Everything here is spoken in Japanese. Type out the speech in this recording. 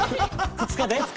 ２日で。